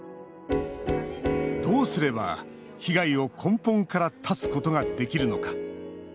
どうすれば被害を根本から絶つことができるのか。